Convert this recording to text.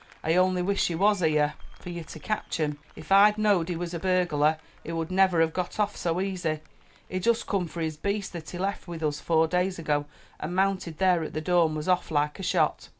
"I only wish he was here fur ye to ketch um: if I'd know'd he was a burglar, he would never hev got off so easy. He jest come for his beast that he left with us four days ago, and mounted there at the door and was off like a shot."